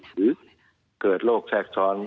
หรือเกิดโรคแทรกซ้อน